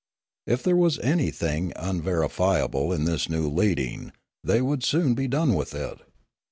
If there was any thing unverifiable in this new leading, they would soon be done with it.